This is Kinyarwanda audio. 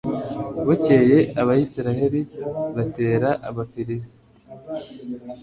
bukeye, abayisraheli batera abafilisiti